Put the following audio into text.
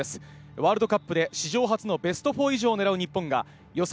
ワールドカップで史上初のベスト４以上を狙う日本が予選